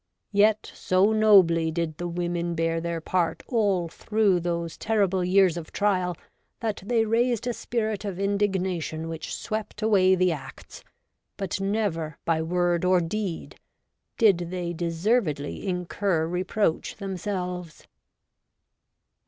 Yet so nobly did the women bear their part all through those terrible years of trial, that they raised a spirit of indignation which swept away the Acts, but never, by word or deed, did they deservedly incur reproach them selves.'